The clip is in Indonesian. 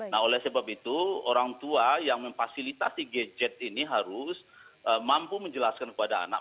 nah oleh sebab itu orang tua yang memfasilitasi gadget ini harus mampu menjelaskan kepada anak